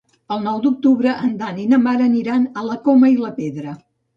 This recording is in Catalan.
El nou d'octubre en Dan i na Mar aniran a la Coma i la Pedra.